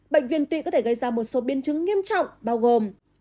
bệnh viên tụy có thể gây ra một số biên chứng nghiêm trọng bao gồm